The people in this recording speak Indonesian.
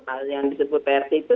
hal yang disebut prt